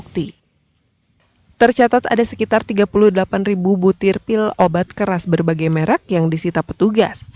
tercatat ada sekitar tiga puluh delapan butir pil obat keras berbagai merek yang disita petugas